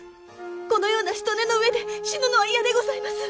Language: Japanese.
このようなしとねの上で死ぬのは嫌でございます！